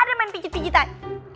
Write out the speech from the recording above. gak ada main pijit pijitan